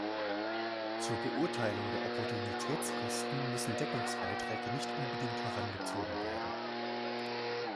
Zur Beurteilung der Opportunitätskosten müssen Deckungsbeiträge nicht unbedingt herangezogen werden.